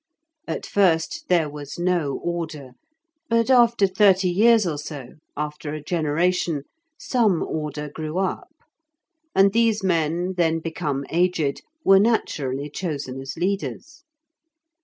At first there was no order; but after thirty years or so, after a generation, some order grew up, and these men, then become aged, were naturally chosen as leaders.